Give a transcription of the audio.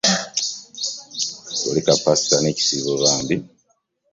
Kulika Paska n'Ekisiiibo bambi.